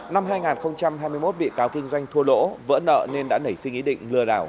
năm hai nghìn hai mươi một bị cáo kinh doanh thua lỗ vỡ nợ nên đã nảy sinh ý định lừa đảo